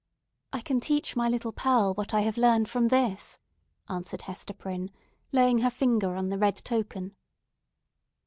"I can teach my little Pearl what I have learned from this!" answered Hester Prynne, laying her finger on the red token.